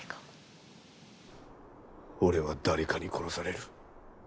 俺は誰かに殺される。